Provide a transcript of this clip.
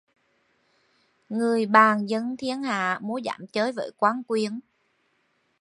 Người bàn dân thiên hạ mô dám chơi với quan quyền